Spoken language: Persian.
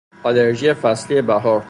آلرژی فصلی بهار.